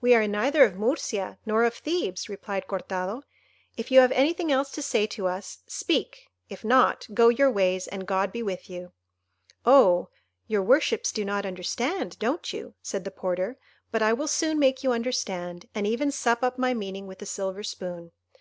"We are neither of Murcia nor of Thebes," replied Cortado. "If you have anything else to say to us, speak; if not, go your ways, and God be with you." "Oh, your worships do not understand, don't you?" said the porter; "but I will soon make you understand, and even sup up my meaning with a silver spoon.